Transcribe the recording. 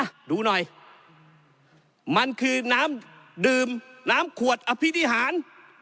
ดูหน่อยมันคือน้ำดื่มน้ำขวดอภินิหาร